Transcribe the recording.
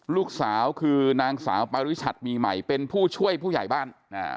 ลูกสาวคือนางสาวปาริชัดมีใหม่เป็นผู้ช่วยผู้ใหญ่บ้านอ่า